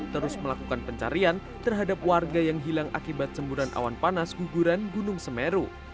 terus melakukan pencarian terhadap warga yang hilang akibat semburan awan panas guguran gunung semeru